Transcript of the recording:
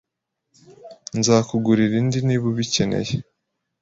Nzakugurira indi niba ubikeneye.